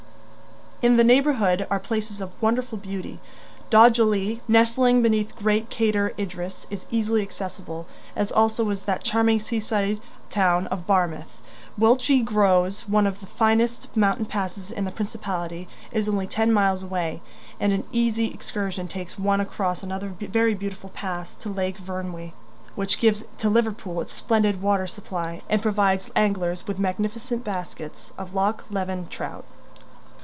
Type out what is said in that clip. In the neighbourhood are places of wonderful beauty. Dolgelly, nestling beneath great Cader Idris, is easily accessible, as also is that charming seaside town of Barmouth. Bwlch y Groes, one of the finest mountain passes in the Principality, is only ten miles away, and an easy excursion takes one across another very beautiful pass to Lake Vyrnwy, which gives to Liverpool its splendid water supply, and provides anglers with magnificent baskets of Loch Leven trout.